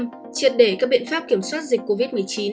triển khai nghiêm triển đề các biện pháp kiểm soát dịch covid một mươi chín